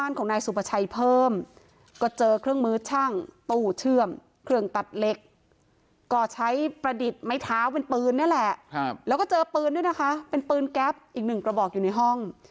แล้วก็เจอปืนด้วยนะคะเป็นปืนแก๊ปอีกหนึ่งกระบอกอยู่ในห้อง